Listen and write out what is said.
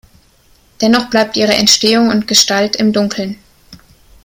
Dennoch bleibt ihre Entstehung und Gestalt im Dunkeln.